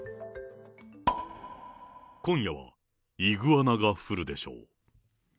今夜は、イグアナが降るでしょう。